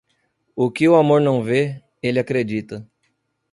O que o amor não vê, ele acredita.